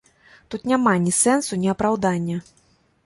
Тут няма ні сэнсу, ні апраўдання.